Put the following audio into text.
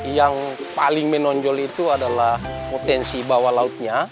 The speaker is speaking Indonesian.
yang paling menonjol itu adalah potensi bawah lautnya